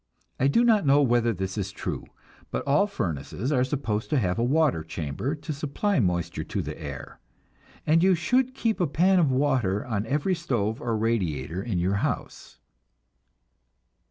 I do not know whether this is true, but all furnaces are supposed to have a water chamber to supply moisture to the air, and you should keep a pan of water on every stove or radiator in your house.